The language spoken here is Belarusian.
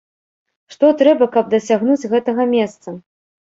Што трэба, каб дасягнуць гэтага месца?